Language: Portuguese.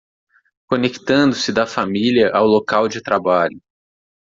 Conectando-se da família ao local de trabalho